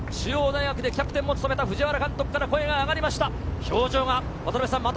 中央大学でキャプテンも務めた藤原監督から声があがりました。